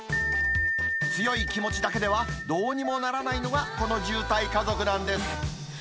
強い気持ちだけではどうにもならないのが、この渋滞家族なんです。